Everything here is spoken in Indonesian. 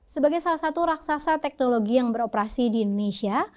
sebagai salah satu raksasa teknologi yang beroperasi di indonesia